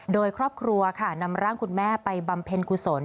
โดยครอบครัวค่ะนำร่างคุณแม่ไปบำเพ็ญกุศล